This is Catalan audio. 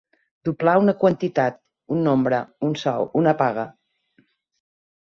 Doblar una quantitat, un nombre, un sou, una paga.